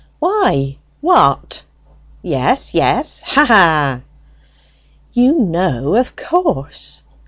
"Why, what? Yes, yes; ha ha!" "You know, of course!"